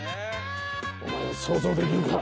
お前は想像できるか？